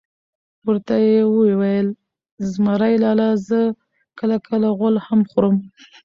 ورته وئې ویل: زمرى لالا زه کله کله غول هم خورم .